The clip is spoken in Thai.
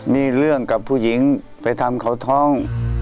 มีเรื่องกับผู้หญิงไปทำเขาท้อง